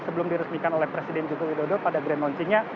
sebelum diresmikan oleh presiden joko widodo pada grand launchingnya